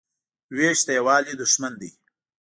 وېش د یووالي دښمن دی.